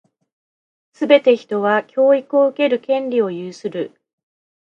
すべて人は、教育を受ける権利を有する。